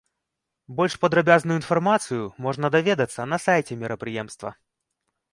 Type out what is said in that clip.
Больш падрабязную інфармацыю можна даведацца на сайце мерапрыемства.